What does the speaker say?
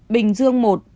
bình dương một